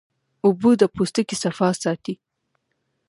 اوبه د پوستکي صفا ساتي